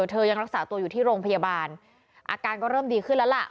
ยังรักษาตัวอยู่ที่โรงพยาบาลอาการก็เริ่มดีขึ้นแล้วล่ะ